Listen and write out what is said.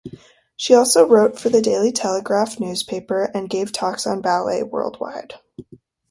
She also wrote for "The Daily Telegraph" newspaper and gave talks on ballet worldwide.